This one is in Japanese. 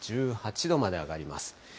１８度まで上がります。